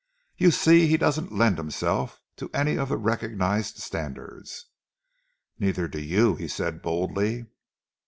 You see, he doesn't lend himself to any of the recognised standards." "Neither do you," he said boldly.